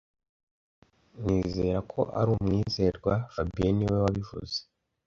Nizera ko ari umwizerwa fabien niwe wabivuze